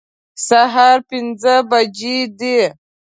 سهار پنځه بجې دي